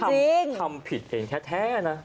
ทำผิดเองแท้นะ